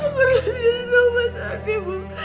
aku rasanya sama masaknya bu